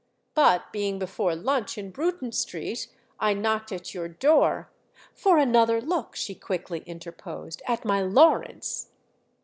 But being before lunch in Bruton Street I knocked at your door——" "For another look," she quickly interposed, "at my Lawrence?"